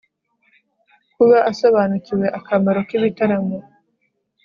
kuba asobanukiwe akamaro k'ibitaramo